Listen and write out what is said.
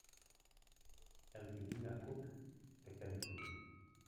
El qui tinga cuc, que pele fulla.